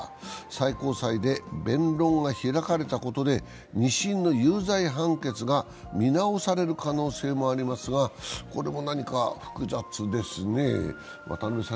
最高裁で弁論が開かれたことで２審の有罪判決が見直される可能性もありますが、これも何か複雑ですね。